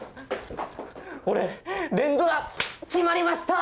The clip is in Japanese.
俺連ドラ決まりました！